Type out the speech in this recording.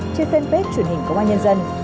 trên fanpage truyền hình công an nhân dân